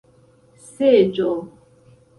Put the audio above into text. seĝo